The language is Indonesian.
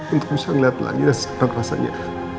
untuk bisa melihat lagi dan kapan rasanya